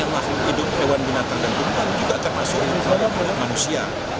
makhluk hidup hewan binatang dan juga termasuk manusia